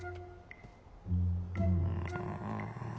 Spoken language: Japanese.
うん。